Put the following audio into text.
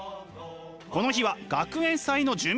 この日は学園祭の準備中！